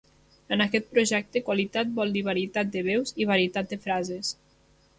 En aquest projecte qualitat vol dir varietat de veus i varietat de frases.